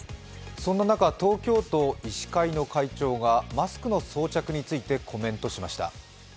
そんな中東京都医師会の会長がマスクの装着についてコメントしました。